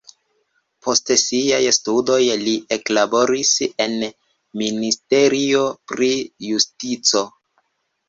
Post siaj studoj li eklaboris en ministerio pri justico.